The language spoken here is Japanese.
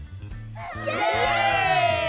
イエイ！